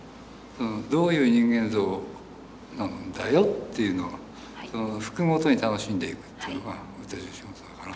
どういう人間像なんだよっていうのをその服ごとに楽しんでいくっていうのが俺たちの仕事だから。